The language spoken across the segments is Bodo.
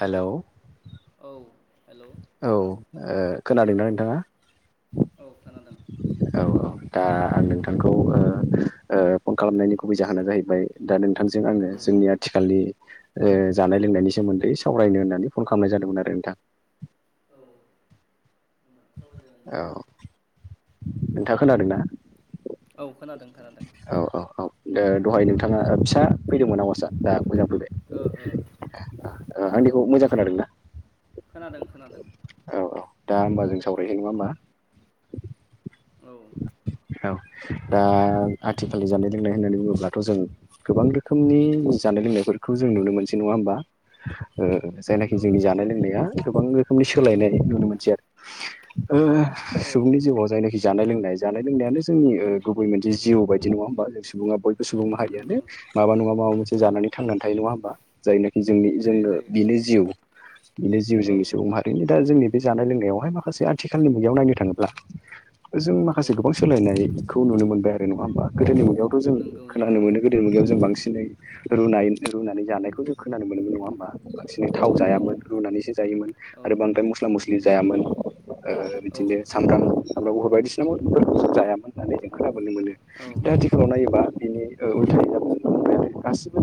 हेलौ औ हेलौ औ नोंथां खोनादोंना औ नोंथाङा। औ खोनादों। औ औ दा आं नोंथांखौ फन ओ ओ खालामनायनि गुबै जाहोना जाहैबाय दा नोंथांजों आङो औ जोंनि आथिखालनि ओ जानाय लोंनायनि सोमोन्दै सावरायनो होननानै फन खालामनाय जादोंमोन आरो नोंथां औ औ नोंथाङा खोनादों ना औ खोनादों खोनादों औ औ औ दे दहाय नोंथाङा फिसा फैदोंमोन आवासा दा मोजां फैबाय ओ ओ आंनिखौ मोजां खोनादोंना खोनादों खोनादों औ औ दा होमबा जों सावरायसै नङा होमबा औ औ दा आथिखालनि जानाय लोंनाय होननानै बुङोब्लाथ' जों गोबां रोखोमनि जानाय लोंनायफोरखौ जों नुनो मोनसै नङा होमबा ओ जायनाखि नंगौ जोंनि नंगौ जानाय लोंनाया गोबां रोखोमनि सोलायनाय नुनो मोनसै आरो ओ औ सुबुंनि जिउआव जायनाखि जानाय लोंनाय जानाय लोंनायानो जोंनि गुबै मोनसे जिउ बायदि नङा होमबा जों सुबुङा बय सुबुं माहारियानो नंगौ माबा नङा माबा मोनसे ओ जानानै थांनानै थायो नङा होमबा जायनो जोंनि थायो जोंनो थायो बिनो जिउ बिनो जिउ औ जोंनि सुबुं माहारिनि दा जोंनि बे जानाय लोंनायावहाय माखासे आथिखालनि मुगायाव नायनो थाङोब्ला जों औ औ जों गोबां सोलायनायखौ नुनो मोनबाय आरो नङा होमबा गोदोनि मुगायावथ' जों नंगौ नंगौ खोनानो मोनो गोदो मुगायाव जों बांसिन दिनै रुनाय रुनानै जानायखौ जों खोनानो मोनोमोन नङा होमबा बांसिन औ थाव जायामोन रुनानैसो जायोमोन औ आरो बांद्राय मस्ला मस्लि जायामोन ओ औ बिदिनो सामब्राम सामब्राम गुफर बायदिसिना जायामोन औ होननानै जों खोनाबाय नुनो मोनो दा आथिखालाव नायोबा बिनि ओ उलथायै [unintelligible] गाससिबो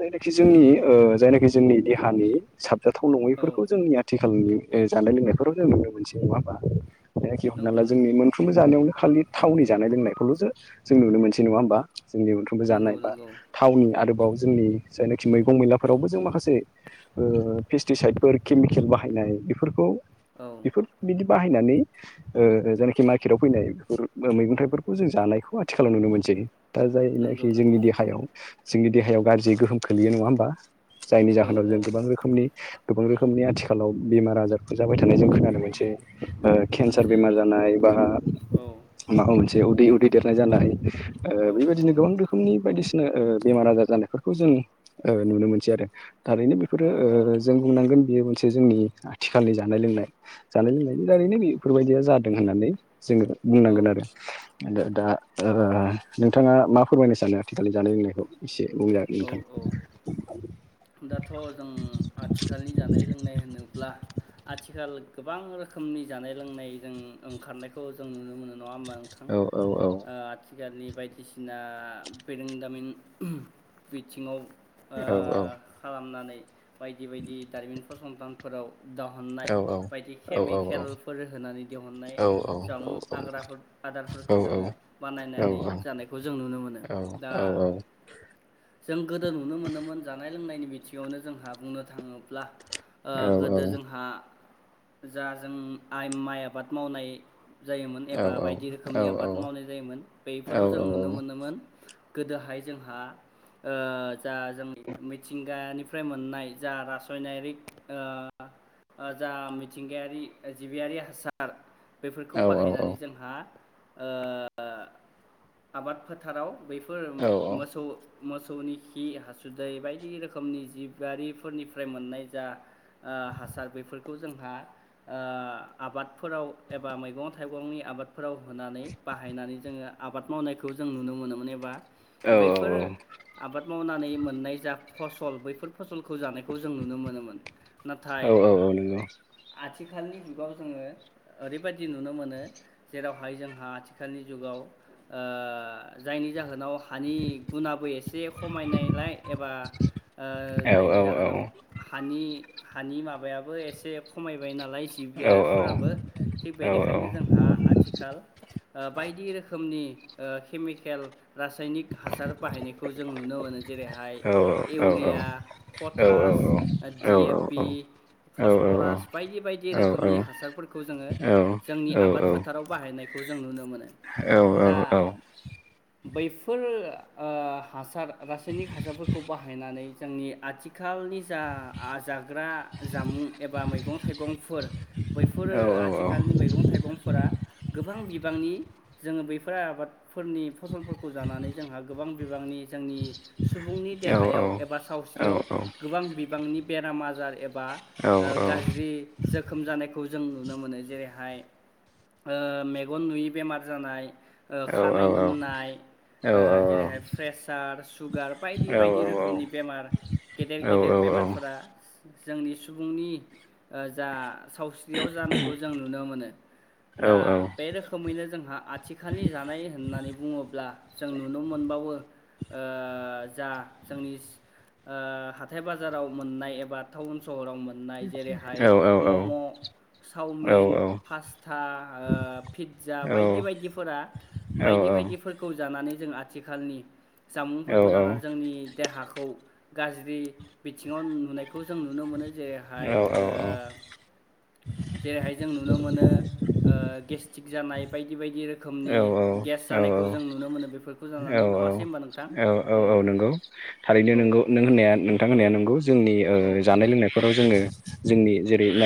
जायनाखि जोंनि ओ जायनाखि जोंनि देहानि साब जाथाव औ नङैफोरखौ जोंनि आथिखालनि जानाय लोंनायफोराव जों नुनो मोनसै नङाहोनबा? जाखि हमना नंगौ ला जोंनि नंगौ मोनफ्रोमबो जानायावनो खालि थावनि जानाय लोंनायखौल'सो जों नुनो मोनसै नङा होमबा? जोंनि मोनफ्रोमबो जानाय नंगौ बा नंगौ थावनि आरोबाव जोंनि जायनाखि मैगं मैलाफोरावबो जों माखासे ओ पेस्टिसाइदफोर केमिकेल बाहायनाय बेफोरखौ औ बेफोर बिदि बाहायनानै ओ जायनाखि मार्केटआव फैनाय बेफोर मैगं थाइफोरखौ जों जानायखौ आथिखालाव नुनो मोनसै। दा नंगौ जायनाखि नंगौ जोंनि नंगौ देहायाव जोंनि देहायाव गाज्रि गोहोम खोलैयो नङा होमबा? जायनि औ जाहोनाव जों औ गोबां रोखोमनि गोबां रोखोम नि आथिखालाव बेमार आजारखौ जाबाय थानाय जों खोनादों मोनसै ओ केनसार मोनसे बेमार औ जानाय बा औ माबा मोनसे उदै उदै देरनाय जानाय ओ औ बेबायदिनो गोबां रोखोमनि बायदिसिन ओ बेमार आजार जानायफोरखौ जों नुनो मोनसै आरो। थारैनो बेफोरो ओ जों बुंनांगोन बेयो मोनसे जोंनि आथिखालनि जानाय लोंनाय जानाय लोंनायनि दारैनो बेफोरबायदिया जादों होननानै जोङो औ बुंनांगोन आरो। दा ओ नोंथाङा मा फोरमायनो सानो आथिखालनि जानाय लोंनायखौ एसे? औ औ [unintelligible] दाथ' जों आथिखालनि जानाय लोंनाय होनोब्ला आथिखाल गोबां रोखोमनि जानाय लोंनाय जों ओंखारनायखौ जों नुनो मोनो नङा होमबा नोंथां औ औ औ ओ आथिखालनि बायदिसिना बेरोंदामिन बिथिङाव ओ औ औ खालामनानै बायदि बायदि दारिमिन फसंथानफोराव दहुननाय बायदि औ केमिकेलफोर होनानै दिहुननाय औ औ जुं औ औ आग्राफोर आदारफोरखौ जोङो बानायनानै जानायखौ जों नुनो मोनो दा जों गोदो नुनो मोनोमोन जानाय जानाय लोंनायनि बिथिङावनो जोंहा बुंनो थाङोब्ला ओ गोदो जोंहा जा जों आइ माइ आबाद मावनाय जायोमोन एबा बायदि रोखोमनि औ औ आबाद औ मावनाय जायोमोन बैफोराव जों नुनो मोनोमोन गोदोहाय जोंहा ओ जा जों एडमिट मिथिंगानिफ्राय मोननाय जा रासायनारिक ओ ओ जा मिथिंगायारि जिबियारि हासार बेफोरखौ बाहायनानै जोंहा ओ आबाद फोथाराव बैफोर मोसौ मोसौनि खि हासुदै बाय बायदि रोखोमनि जिबआरिफोरनिफ्राय मोननाय जा ओ हासार बेफोरखौ जोंहा ओ आबादफोराव एबा मैगं थाइगंनि आबाद फोराव होनानै बाहायनानै जोङो आबाद मावनायखौ जों नुनो मोनोमोन एबा बैफोर आबाद मावनानै मोननाय जा फसल बैफोर फसलखौ जानायखौ जों नुनो मोनोमोन औ नाथाय औ औ नंगौ। आथिखालनि जुगाव जोङो ओरैबायदि नुनो मोनो जेरावहाय जोंहा आथिखालनि जुगाव ओ जायनि जाहोनाव हानि गुुनाबो एसे खमायनायलाय एबा ओ जायनि जाहोनावानि हानि माबायाबो एसे खमायबाय नालाय लाइ जि बियारफोराबो थिग बेनिखायनो जोंहा आथिखाल ओ बायदि रोखोमनि ओ केमिकेल रासायनिक हासार बाहायनायखौ जों नुनो मोनो जेरैहाय urea potash D A P phosphorus बायदि बायदि रोखोमनि हासारफोरखौ जोङो जोंनि आबाद फोथाराव बाहायनायखौ जों नुनो मोनो औ दा औ औ बैफोर ओ आं हासार रासायनिक हासारफोरखौ बाहायनानै जोंनि आथिखालनि जा जाग्रा जामुं एबा मैगं थाइगंफोर बैफोरो आथिखालनि मैगं थाइगंफोरा गोबां बिबांनि जोङो बैफोर आबाद फोरनि फसलफोरखौ जानानै जोंहा गोबां बिबांनि जोंनि सुबुंनि देहायाव एबा सावस्रियाव गोबां बिबांनि बेराम आजार एबा बा गाज्रि जोखोम जानायखौ खौ जों नुनो मोनो जेरैहाय ओ मेगन नुयि बेमार जानाय खानाय मोननाय ओ जेरैहाय प्रेसार सुगार बायदि बायदि बायदि रोखोमनि बेमार गेदेर गेदेर बेमारफोरा जोंनि सुबुंनि जा सावस्रियाव जानायखौ जों नुनो मोनो दा बे रोखोमैनो जोंहा आथिखालनि जानाय होननानै बुङोब्ला जों नुनो मोनबावो जा जोंनि ओ हाथाय बाजाराव मोननाय एबा टाउन सहराव मोनाय स्हराव मोननाय जेरैहाय मम' चावमिन पास्ता ओ पिज्जा बायदि बायदिफोरा बायदि बायदिफोरखौ जानानै जों आथिखालनि जामुंफोरखौ जानानै जोंनि देहाखौ गाज्रि बिथिङाव नुनायखौ जों नुनो मोनो जेरैहाय ओ जैरैहाय जों नुनो मोनो नुनो मोनोओ गेसटिक जानाय बायदि बायदि रोखोमनि रोखोमनि गेस जानायखौ जों नुनो मोनो बेफोरखौ जानानै नङासै होनबा नोंथां औ थारैनो औ नोंगौ नों होननाया नोंथां औ होननाया नोंगौ जोंनि औ जानाय लोंनायफोराव जोङो जोंनि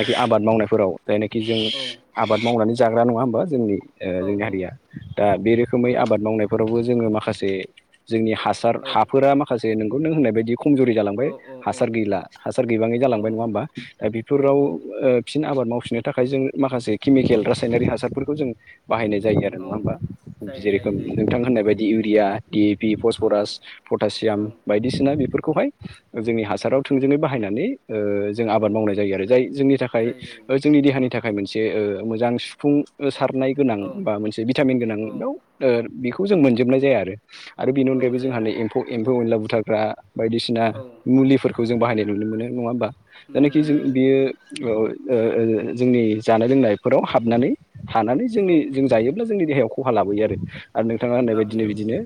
औ आबाद मावनायफोराव जायनाखि जों औ आबाद मावनानै जाग्रा नङा होमबा जोंनि औ जोंनि हारिया दा बे रोखोमै आबाद मावनायफोरावबो जोङो माखासे जोंनि हासार हाफोरा माखासे नोंगौ नों होननाय बायदि खमजुरि जालांबाय औ हासार गैला हासार गैबाङै जालांबाय नङा हबा दा बेफोराव औ फिन आबाद माव फिनो थाखाय जों माखासे औ केमिकेल रासायनारि हासारफोरखौ जों बाहायनाय जायो आरो नङा औ होमबा जायो जायो जेरेखमों जायो बायदि इउरिया डिपि पसरास औ पटासियाम औ बायदिसिना बेफोरखौहाय जोंनि हासाराव थोंजोङै बाहायनानै ओ जों औ आबाद मावनाय जायो आरो जाय जोंनि थाखाय जायो जायो जोंनि देहानि थाखाय मोनसे मोनसे मोजां सुफुं सारनाय गोनां औ बा मोनसे भिटामिन गोनां औ बेयाव बेखौ जों मोनजोबनाय जाया आरो आरो बेनि औ अनगायैबो जोंहा जाया जाया एम्फौ एम्फौ एनला बुथारग्रा बायदिसिना औ मुलिफोरखौ जों बाहायनाय नुनो मोनो नङा होमबा नुनो जायनाखि जों मोनो औ बियो जोंनि ओ जानाय लोंनायफोराव हाबनानै हानानै जोंनि औ जों जायोब्ला जोंनि देहायाव खहा लाबोयो आरो आरो नोंथाङा होननाय बायदिनो लाबोयो बिदिनो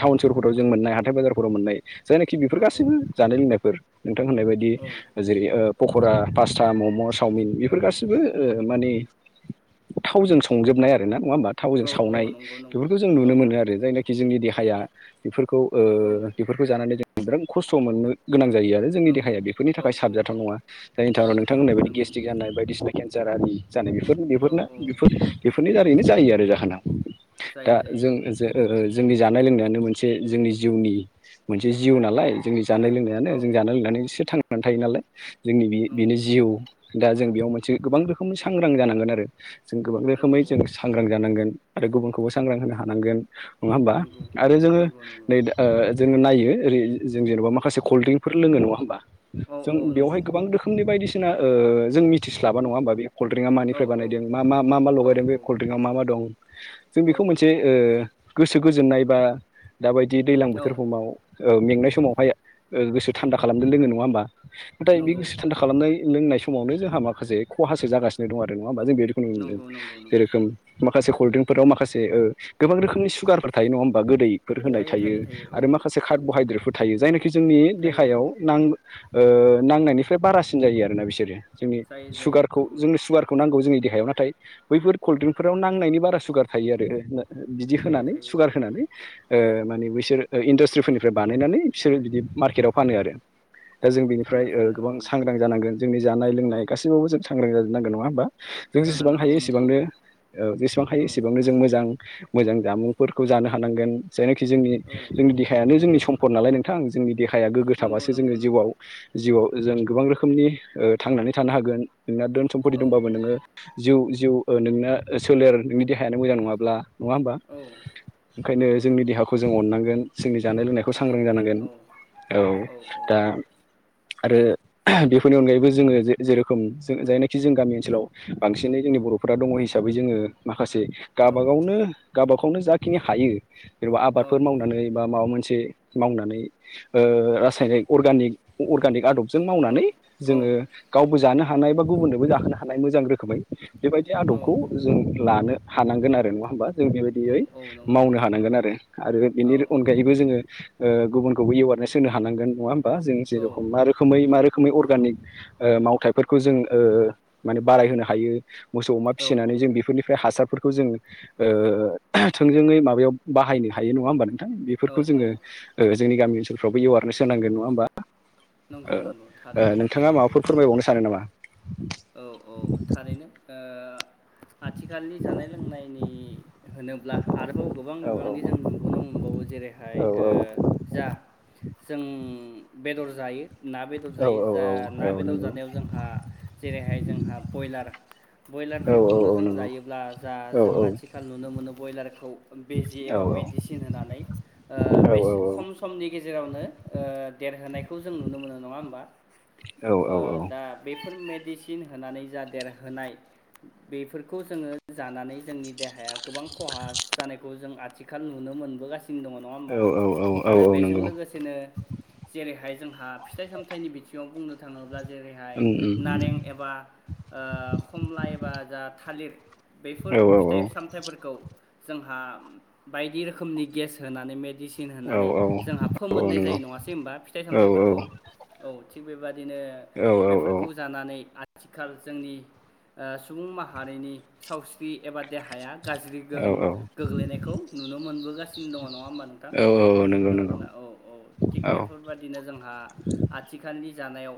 टाउन सहरफोराव जों मोननाय हाथाय बाजारफोराव मोननाय जायनाखि औ बेफोर गासैबो जानाय लोंनायफोर नोंथां होननाय बायदि औ जेरै ओ पक'रा पास्ता मम' चावमिन बेफोर औ गाससिबो माने थावजों संजोबनाय आरो ना नङा होमबा थावजों औ औ सावनाय नंगौ नंगौ बेफोरखौ जों औ नुनो मोनो आरो जायनाखि जोंनि देहाया बेफोरखौ ओ औ बेफोरखौ जानानै जों बिरांथ खस्थ' मोननो गोनां जायो आरो जोंनि नंगौ देहाया बेफोरनि औ थाखाय औ साबजाथाव नङा जायनि थाखायउनोंथां होननाय बायदि नंगौ गेसट्रिक जानाय बायदिसिना केन्सार आरि जानाय बेफोर औ औ बेफोरनाफोर बेफोरनि दारैनो जायो आरो जाहोना दा जायो जों जायो जे जोंनि जानाय लोंनायानो मोनसे जोंनि जिउनि मोनसे जिउ औ नालाय जोंनि जानाय लोंनायानो औ जों जानाय लोंनानैसो थांनानै थायो नालाय जोंनि बे बेनो नंगौ जिउ दा जों बेयाव मोनसे गोबां रोखोमनि सांग्रां जानांगोन आरो। जों गोबां औ रोखोमै औ जों सांग्रां जानांगोन आरो गुबुनखौबो सांग्रां होनो हानांगोन। नङा होमबा? नंगौ आरो जोङो नंगौ नंगौ नै दा ओ जोङो ना यो ओरै जों जेन'बा माखासे कलड्रिंफोर लोङो नङा होमबा? औ जों औ बेवहाय नंगौ गोबां रोखोमनि बायदिसि ना ओ जों मिथिस्लाबा नङा होमबा बे कल्ड्रिंकआ औ मानिफ्राय औ बानायदों मा मा मा मा औ लगायदों बे कल्ड्रिंकआ मा मा दं जों औ बेखौ मोनसे ओ गोसो गोजोननाय बा दाबायदि दैलां बोथोर हमाव ओ मेंनाय समावहाय ओ गोसो थान्दा खालामनो लोङो नङा होमबा, नाथाय बे नंगौ गोसो थान्दा खालामनाय लोंनाय स मावनो जोंहा माखासे खहासो जागासिनो दं आरो नङा होमा जों बेदिखौ नुनो मोनदों। नंगौ नंगौ नंगौ जेरोखोम माखासे कल्ड्रिंकफोराव माखासे ओ गोबां रोखोमनि सुगारफोर थायो नङा होमबा गोदै फोर होनाय थायो आरो माखासे कार्बहाइद्रेटफोर थायो जायनोखि जोंनि थायो देहायाव नां ओ नांनायनिफ्राय बारासिन जायो आरो ना बिसोरो जोंनि जायो जायो सुगारखौ औ जोंनो सुगारखौ नांगौ जोंनि देहायाव नाथाय बैफोर कल्ड्रिंकफोराव नांनायनि बारा सुगार थायो आरो। बिदि थायो होनानै थायो सुगार होनानै ओ माने बिसोर ओ इन्डासट्रिफोरनिफ्राय बानायनानै बिसोरो बिदि मार्केटाव फानो आरो। दा जों फानो बेनिफ्राय ओ फानो गोबां औ सांग्रां जानांगोन जोंनि जानाय लोंनाय गासैबावबो जों सांग्रां जाजोब नांगोन नङा होमबा? जों जेसेबां जानांगोन हायो औ नंगौ एसेबांनो ओ बे समाव औ एसेबांनो जों मोजां मोजां जामुंफोरखौ जानो हानांगोन। जायनाखि जोंनि औ जोंनि देहायानो जोंनि सम्पद नालाय नोंथां जोंनि देहाया गोग्गो नंगौ थाबासो जोङो नंगौ नंगौ जिउआव जिउआव जों गोबां रोखोमनि ओ थांनानै थानो हागोन। नोंना धोन सम्फति औ दंबाबो औ नोङो जिउ जिउ ओ नोंना सोलेर नोंनि देहायानो मोजां नङाब्ला। नङा होमबा औ ओंखायनो नंगौ जोंनि नंगौ देहाखौ जों अननांगोन जोंनि जानाय लोंनायखौ सांग्रां थारैनो जानांगोन औ औ दा आरो नंगौ बेफोरनि अनगायैबो जोङो जे जेरोखोम ज-जायनाखि जों गामि ओनसोलाव बांसिनै जोंनि बर'फोरा दङ' हिसाबै जोङो माखासे औ गाबागावनो गाबागावनो जाखिनि हायो जेनेबा औ आबादफोर मावनानै बा माबा मोन से मावनानै ओ रासायनिक अरगानिक अरगानिक आदब जों औ मावनानै जोङो गावबो जानो हानाय बा गुबुननोबो जाहोनो हानाय मोजां रोखोमै बेबायदि आदबखौ जों लानो हानांगोन आरो नङा होमबा? जों बेबायदियै औ औ नंगौ मावनो नंगौ हानांगोन आरो आरो औ बेनि अनगायैबो जोङो ओ गुबुनखौबो एवारनेस होनो हांगोन नङा होमबा जों औ जेरखम मा रोखोमै मा रो खोमै अर्गानिक ओ मावथाइफोरखौ जों ओ माने बारायहोनो हायो मोसौ अमा औ फिसिनानै जों बेफोरनि फ्राय हासारफोरखौ जोङो ओ थोंजोङै माबायाव बाहायनो हायो नङा होमबा नों थां औ बेफोरखौ औ जोङो ओ जोंनि गामि ओनसोलफ्रावबो एवारनेस होनांगोन नङा होमबा? नंगौ ओ नंगौ ओ थारैनो नोंथाङा सैथो माबाफोर फोरमायबावनो सानो नामा? औ औ थारैनो दा आथिखालनि जानाय लोंनायनि होनोब्ला आरोबाव गोबां औ बिबांनि जों नुबोन मोन बावो जेरैहाय औ ओ जा जों बेदर जायो ना बेदर औ जायो जा ना औ औ औ बेदर नंगौ जानायाव जोंहा जेरैहाय जोंहा बयलार औ औ बयलारफोरखौनो औ जों नंगौ जायोब्ला जा औ जों औ आथिखाल नुनो मोनो बयलारखौ बिजि औ एबा मेदिसिन होनानै ओ बेस खम समनि गे जेरावनो ओ देरहोनायखौ जों नुनो मोनो नङा होमबा? ओ दा बेफोर मे डिसिन होनानै जा देरहोनाय बेफोरखौ जोङो जानानै जोंनि देहाया गोबां खहा जानायखौ जों आथिखाल नुनो मोनबोगासि नो दङ' नङा होमबा औ औ आरो औ बेजों नंगौ लोगोसेनो जेरैहाय जोंहा फिथाइ-सामथाइनि बिथिङाव बुंनो थाङोब्ला जेरैहाय उम उम उम नारें एबा ओ खमला एबा जा थालिर औ बैफोर औ फिथाइ- सामथाइफोरखौ जोंहा बायदि रोखोमनि गेस होनानै मे मेदिसिन औ होननानै जोंहा फोमोननाय नंगौ जायो नङासै होनबा फिथाय औ सामथाफोरखौ औ थिख बेबादिनो औ बिदिनो बेफोरखौ जानानै आथिखाल जोंनि सुबुं माहारिनि सावस्रि एबा देहाया गाज्रि औ गोहोम गोग्लैनायखौ नुनो मोनबोगासिनो दङ नङा होनबा नोंथां औ औ नंगौ नंगौ खोनादोंना औ औ थिग औ बेफोरबायदिनो। आथिखालनि जानायाव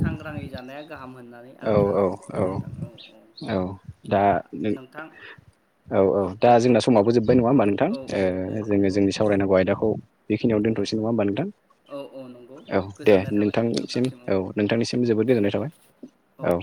सांग्राङै जानाया। गाहाम होननानै औ आं सानो नोंथां औ औ दा नोंथां। औ औ दा जोंना समावबो जोब्बाय नङा होमबा नोंथां औ औ औ जोङो नंगौ जोंनि सावरायनांगौ आयदाखौ बेखियाव दोनथ'सै नङा होनबा नोंथां। औ औ नंगौ औ दे गोजोननाय थाबाय नोंथांसिम औ नोंथांनिसिम जोबोद गोजोननाय थाबाय। औ।